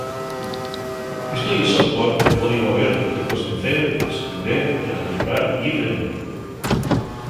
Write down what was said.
Esto ye software de códigu abiertu que pues mecer, estender y ameyorar llibremente.